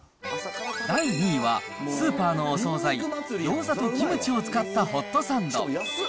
第２位は、スーパーのお総菜、ギョーザとキムチを使ったホットサンド。